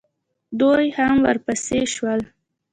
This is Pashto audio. دوئ هم ورپسې شول.